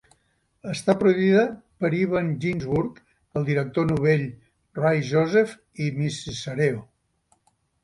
Està produïda per Evan Ginzburg, el director novell Rye Joseph i Ms. Sareo.